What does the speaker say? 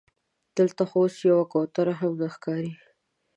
دلته خو اوس یوه کوتره هم نه ښکاري.